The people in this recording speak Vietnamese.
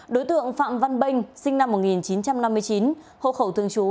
đối tượng phạm văn binh sinh năm một nghìn chín trăm năm mươi chín hộ khẩu thương chú